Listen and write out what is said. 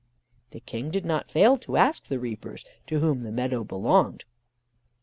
The King did not fail to ask the reapers to whom the meadow belonged?